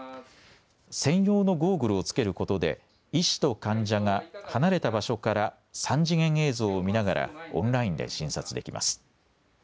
専用のゴーグルを着けることで医師と患者が離れた場所から３次元映像を見ながらオンラインで診察できます。